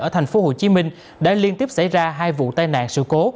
ở thành phố hồ chí minh đã liên tiếp xảy ra hai vụ tai nạn sự cố